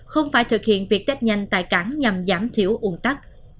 không phải thực hiện việc tết nhanh tại cảng nhằm giảm thiểu uống tắt